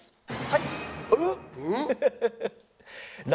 はい。